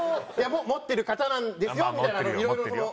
持ってる方なんですよみたいないろいろこう。